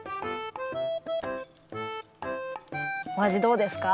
おあじどうですか？